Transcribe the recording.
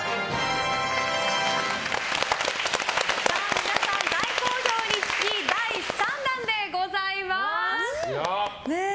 皆さん、大好評につき第３弾でございます。